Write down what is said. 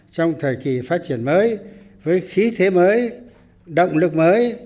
trong thời kỳ phát triển mới với khí thế mới động lực mới